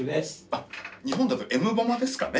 あっ日本だとエムボマですかね。